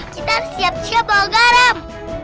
kita siap siap bawa garam